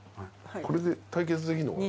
これで対決できんのかな？